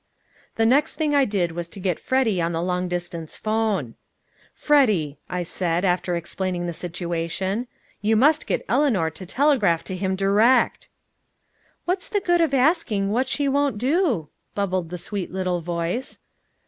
The next thing I did was to get Freddy on the long distance 'phone. "Freddy," I said, after explaining the situation, "you must get Eleanor to telegraph to him direct!" "What's the good of asking what she won't do?" bubbled the sweet little voice.